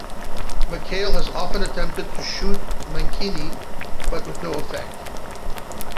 McHale has often attempted to "shoot" Mankini, but with no effect.